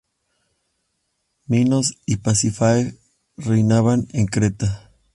Minos y Pasífae reinaban en Creta.